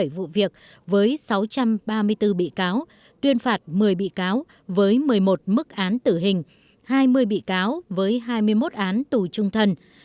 hai mươi vụ việc với sáu trăm ba mươi bốn bị cáo tuyên phạt một mươi bị cáo với một mươi một mức án tử hình hai mươi bị cáo với hai mươi một án tù trung thân